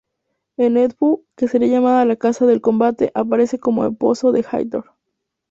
En Edfu, que sería llamada la "Casa del combate" aparece como esposo de Hathor.